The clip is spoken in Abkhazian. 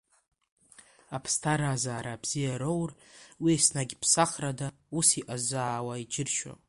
Аԥсҭазаара бзиа роур, уи еснагь ԥсахрада ус иҟазаауа џьыршьоит.